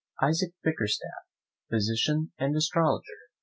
ISAAC BICKERSTAFF, PHYSICIAN AND ASTROLOGER.